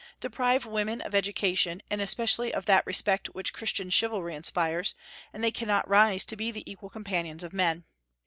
Deprive women of education, and especially of that respect which Christian chivalry inspires, and they cannot rise to be the equal companions of men.